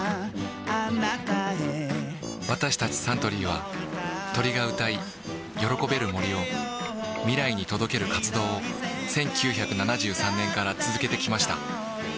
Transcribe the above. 私たちサントリーは鳥が歌い喜べる森を未来に届ける活動を１９７３年から続けてきました